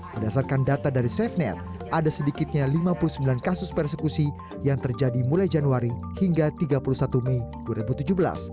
berdasarkan data dari safenet ada sedikitnya lima puluh sembilan kasus persekusi yang terjadi mulai januari hingga tiga puluh satu mei dua ribu tujuh belas